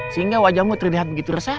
sehingga wajahmu terlihat begitu resah